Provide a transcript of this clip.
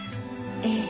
ええ。